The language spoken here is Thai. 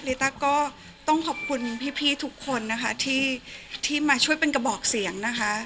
ริตาก็ต้องขอบคุณพี่ทุกคนที่มาช่วยเป็นกระบอกเสียง